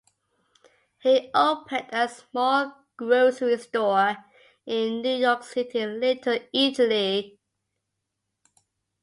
He opened a small grocery store in New York City's Little Italy.